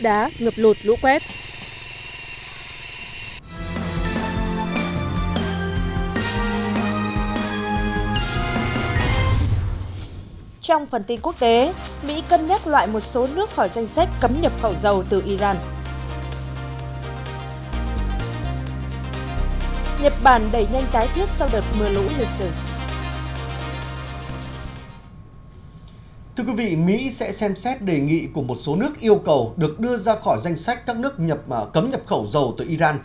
đề nghị của một số nước yêu cầu được đưa ra khỏi danh sách các nước cấm nhập khẩu dầu từ iran